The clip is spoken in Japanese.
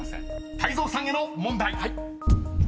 ［泰造さんへの問題］